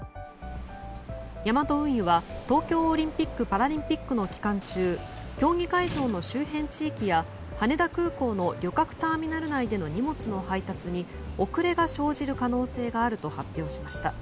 ヤマト運輸は東京オリンピック・パラリンピックの期間中競技会場の周辺地域や羽田空港の旅客ターミナル内での荷物の配達に遅れが生じる可能性があると発表しました。